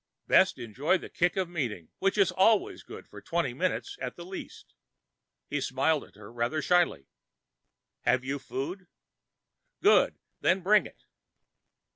Best enjoy the kick of meeting, which is always good for twenty minutes at the least." He smiled at her rather shyly. "Have you food? Good, then bring it."